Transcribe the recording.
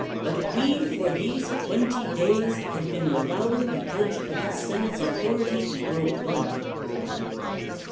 But we, for these twenty days, have been allowing the edge of the senate's authority to grow blunt, as it were.